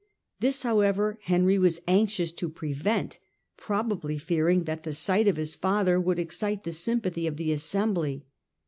T^is, however, Henry was anxious to prevent, probably fearing that the sight of his father would excite the sympathy of the assembly.